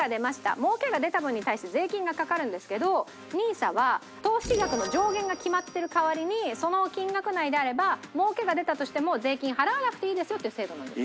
儲けが出た分に対して税金がかかるんですけどＮＩＳＡは投資額の上限が決まってる代わりにその金額内であれば儲けが出たとしても税金払わなくていいですよっていう制度なんです。